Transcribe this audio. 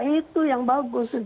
itu yang bagus